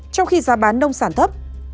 trong khi giá bán nông sản thấp